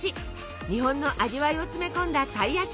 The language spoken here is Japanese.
日本の味わいを詰め込んだたい焼き